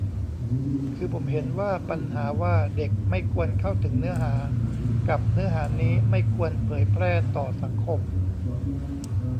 คือผมเห็นว่าปัญหาว่า "เด็กไม่ควรเข้าถึงเนื้อหา" กับ "เนื้อหานี้ไม่ควรเผยแพร่ต่อสังคม"